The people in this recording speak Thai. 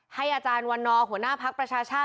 ให้อาจารย์วันนอลหัวหน้าภักดิ์ประชาชา